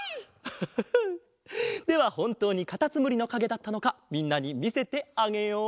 ハハハハではほんとうにカタツムリのかげだったのかみんなにみせてあげよう。